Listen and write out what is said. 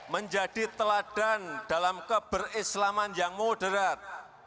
menjadi teladan dalam keberislaman yang moderat